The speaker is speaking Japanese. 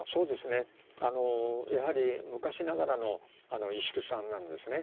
あのやはり昔ながらの石工さんなんですね。